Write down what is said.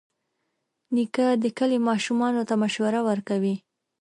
نیکه د کلي ماشومانو ته مشوره ورکوي.